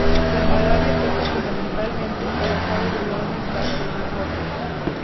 La malaria afecta fundamentalmente a las aves del orden Passeriformes.